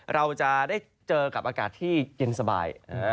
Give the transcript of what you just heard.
เราจะได้เจอกับอากาศที่เย็นสบาย